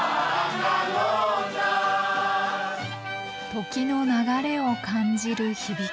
時の流れを感じる響き。